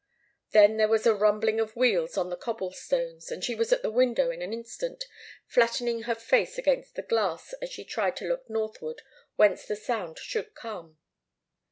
Then there was a rumbling of wheels on the cobble stones, and she was at the window in an instant, flattening her face against the glass as she tried to look northward, whence the sound should come.